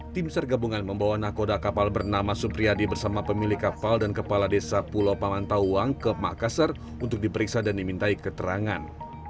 tim sergabungan membawa nakoda kapal bernama supriyadi bersama pemilik kapal dan kepala desa pulau pamantauang ke makassar untuk diperiksa dan dimintai keterangan